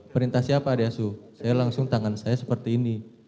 perintah siapa adiksu saya langsung tangan saya seperti ini